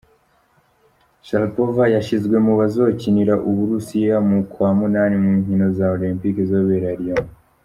Sharapova yashizwe mu bazokinira Uburusiya mu kwa munani mu nkino za Olympic zizobera Rio.